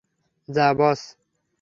যা, বস।